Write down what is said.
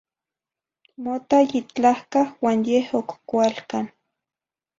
Mota yitlahcah uan yeh oc cualcan